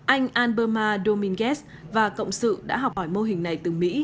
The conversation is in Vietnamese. anh anberma domínguez và cộng sự đã học hỏi mô hình này từ mỹ